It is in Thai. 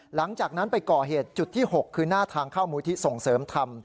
หลังจากนั้นไปก่อเหตุจุดที่๖คือหน้าทางเข้ามูลที่ส่งเสริมธรรม